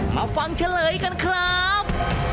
มาฟังเฉลยกันครับ